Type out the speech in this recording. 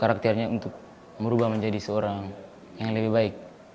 karakternya untuk merubah menjadi seorang yang lebih baik